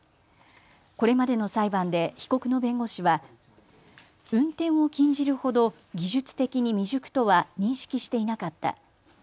これまでの裁判で被告の弁護士は運転を禁じるほど技術的に未熟とは認識していなかった。